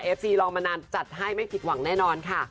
ฟรีลองมานานจัดให้ไม่ผิดหวังแน่นอนค่ะ